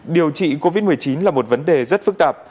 điều trị covid một mươi chín là một vấn đề rất phức tạp